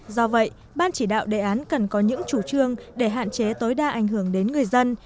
do vậy ban chỉ đạo đề án cần có những chủ trương để hạn chế tối đa ảnh hưởng đến người dân